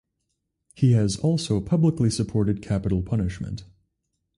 He has also publicly supported capital punishment.